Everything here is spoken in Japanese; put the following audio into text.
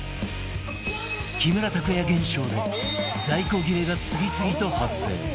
木村拓哉現象で在庫切れが次々と発生